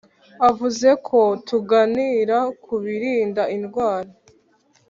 avuze ko tuganira ku birinda indwara,